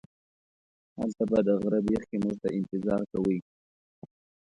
هلته به د غره بیخ کې موږ ته انتظار کوئ.